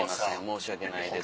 「申し訳ないです」。